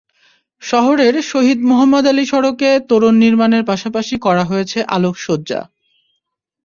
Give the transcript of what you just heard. শহরের শহীদ মোহাম্মদ আলী সড়কে তোরণ নির্মাণের পাশাপাশি করা হয়েছে আলোকসজ্জা।